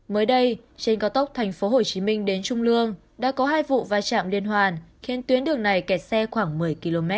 mới đây trên cao tốc tp hcm đến trung lương đã có hai vụ va chạm liên hoàn khiến tuyến đường này kẹt xe khoảng một mươi km